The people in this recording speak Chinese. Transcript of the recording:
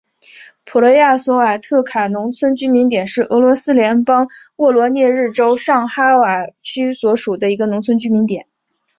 普利亚索瓦特卡农村居民点是俄罗斯联邦沃罗涅日州上哈瓦区所属的一个农村居民点。